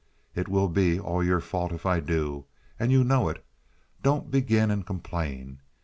It will be all your fault if I do, and you know it. Don't begin and complain.